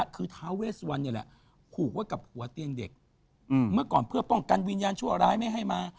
คือท้าเวสวันเนี่ยแหละผูกไว้กับหัวเตียงเด็กเมื่อก่อนเพื่อป้องกันวิญญาณชั่วร้ายไม่ให้มา